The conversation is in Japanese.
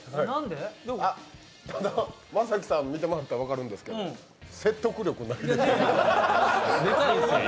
マサキさん見てもらったら分かるんですけど説得力ないですよね。